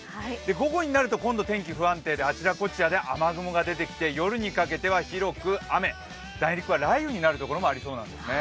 午後になると今度、天気不安定であちらこちらで雨雲が出てきて夜にかけては内陸は雷雨になるところもありそうなんですね。